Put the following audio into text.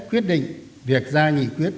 quyết định việc ra nghị quyết